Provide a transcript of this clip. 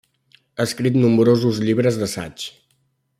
Ha escrit nombrosos llibres d'assaig.